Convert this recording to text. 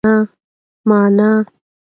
مانا